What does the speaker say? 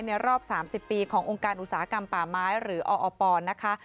รอบ๓๐ปีขององค์การอุตสาหกรรมป่าไม้หรือออปนะคะ